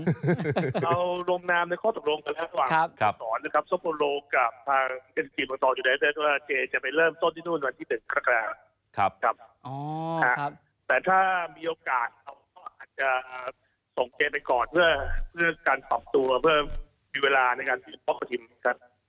แต่ถ้ามีโอกาสเขาอาจจะส่งเจไปก่อนเพื่อการตอบตัวเพื่อมีเวลาในการสิ่งซึ่งพกกฐิมขึ้น